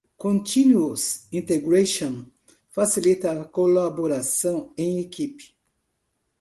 Continuous Integration facilita a colaboração em equipe.